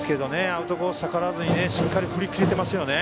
アウトコース、逆らわずにしっかり振りきれていますよね。